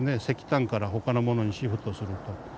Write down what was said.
石炭からほかのものにシフトすると。